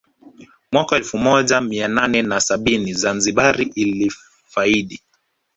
Mwaka wa elfu moja mia nane na sabini Zanzibar ilifaidi